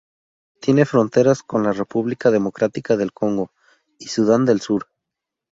Tiene fronteras con la República Democrática del Congo y Sudán del Sur.